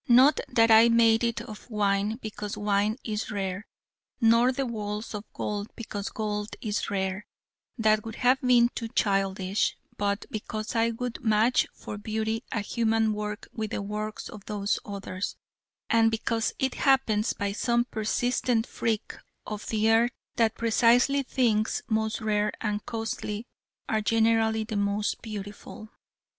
Not that I made it of wine because wine is rare; nor the walls of gold because gold is rare: that would have been too childish: but because I would match for beauty a human work with the works of those Others: and because it happens, by some persistent freak of the earth, that precisely things most rare and costly are generally the most beautiful.